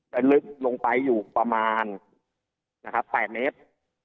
และลึกลงไปอยู่ประมาณ๘เมตร